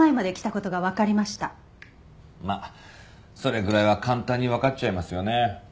まあそれぐらいは簡単にわかっちゃいますよね。